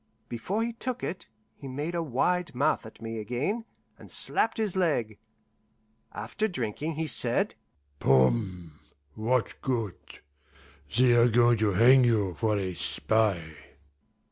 Before he took it, he made a wide mouth at me again, and slapped his leg. After drinking, he said, "Poom what good? They're going to hang you for a spy."